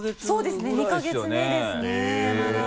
そうですね２か月目ですねまだ。